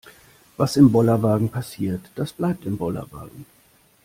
Was im Bollerwagen passiert, das bleibt im Bollerwagen.